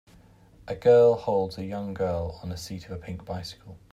A girl holds a young girl on the seat of a pink bicycle.